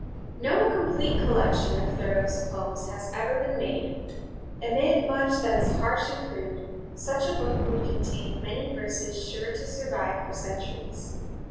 No complete collection of Thoreau's poems has ever been made. Amid much that is harsh and crude, such a book would contain many verses sure to survive for centuries.